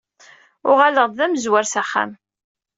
Uɣaleɣ-d d amezwar s axxam.